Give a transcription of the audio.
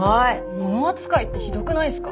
モノ扱いってひどくないすか？